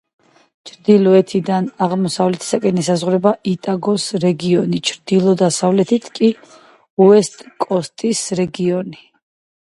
ჩრდილოეთიდან და აღმოსავლეთიდან ესაზღვრება ოტაგოს რეგიონი, ჩრდილო-დასავლეთით კი უესტ-კოსტის რეგიონი.